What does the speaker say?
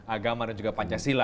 agama dan juga pancasila